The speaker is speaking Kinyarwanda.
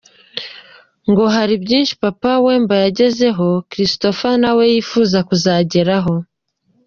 Ngo hari byinshi Papa Wemba yagezeho Christopher nawe yifuza kugeraho.